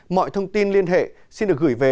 mọi thông tin liên hệ xin được gửi về